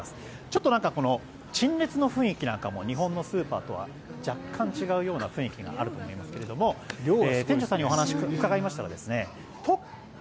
ちょっと、陳列の雰囲気なんかも日本のスーパーとは若干違うような雰囲気があると思いますけれど店長さんにお話を伺いましたら。